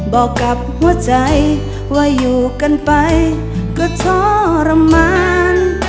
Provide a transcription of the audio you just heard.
บอกกับหัวใจว่าอยู่กันไปก็ทรมาน